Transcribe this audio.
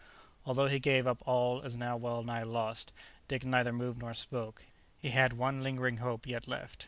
Although he gave up all as now well nigh lost, Dick neither moved nor spoke. He had one lingering hope yet left.